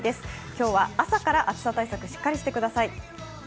今日は朝から暑さ対策、しっかりしてください。